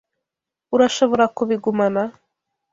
Urashobora kubigumana?